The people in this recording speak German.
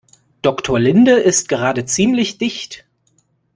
Doktor Linde ist gerade ziemlich dicht.